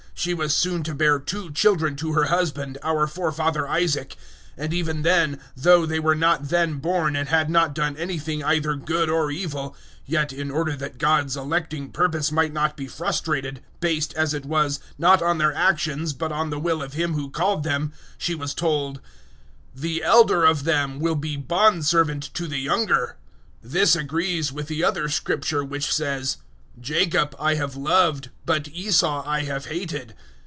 She was soon to bear two children to her husband, our forefather Isaac 009:011 and even then, though they were not then born and had not done anything either good or evil, yet in order that God's electing purpose might not be frustrated, based, as it was, not on their actions but on the will of Him who called them, she was told, 009:012 "The elder of them will be bondservant to the younger." 009:013 This agrees with the other Scripture which says, "Jacob I have loved, but Esau I have hated."